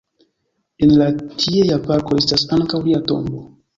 En la tiea parko estas ankaŭ lia tombo.